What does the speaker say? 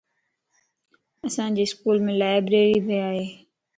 اسان جي اسڪولم لائبريري ڀي ائي